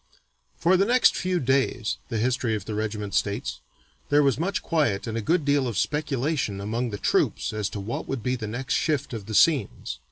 "For the next few days," the history of the regiment states, "there was much quiet and a good deal of speculation among the troops as to what would be the next shift of the scenes.